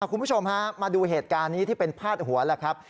คุณผู้ชมฮะมาดูเหตุการณ์นี้ที่เป็นพาดหัวแล้วครับ